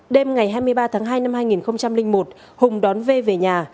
đêm ngày hai mươi ba tháng hai năm hai nghìn một hùng đón v về nhà